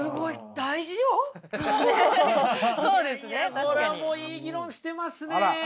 いやいやこれはもういい議論してますね。